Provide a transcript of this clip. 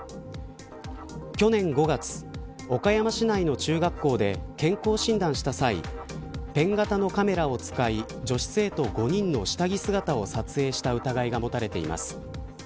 去年５月岡山市内の中学校で健康診断した際ペン型のカメラを使い女子生徒５人の下着姿を撮影した疑いが持たれています。